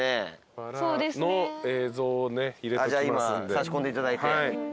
差し込んでいただいて。